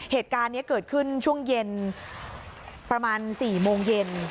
เหตุการณ์นี้เกิดขึ้นช่วงเย็นประมาณ๔โมงเย็น